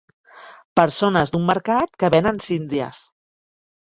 Persones d'un mercat que venen síndries.